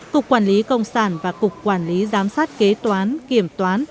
cục quản lý công sản và cục quản lý giám sát kế toán kiểm toán